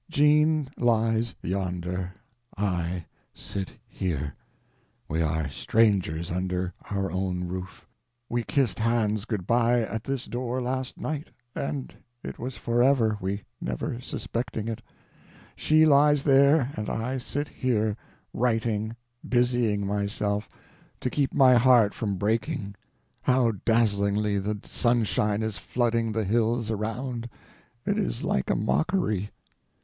Jean lies yonder, I sit here; we are strangers under our own roof; we kissed hands good by at this door last night—and it was forever, we never suspecting it. She lies there, and I sit here—writing, busying myself, to keep my heart from breaking. How dazzlingly the sunshine is flooding the hills around! It is like a mockery.